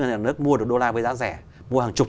nhà nước mua được đô la với giá rẻ mua hàng chục